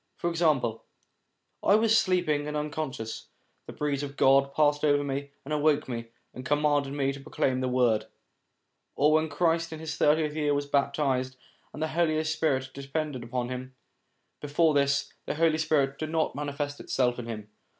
For example :' I was sleeping and un conscious, the breeze of God passed over me and awoke me, and commanded me to proclaim the Word '; or when Christ in his thirtieth year was baptized, and the Holy Spirit descended upon him ; before this, the Holy Spirit did not manifest itself in him.